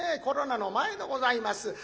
コロナの前でございます。